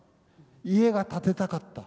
家が建てたかった。